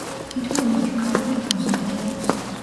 თითოეულს რკალური თავსართი აქვს.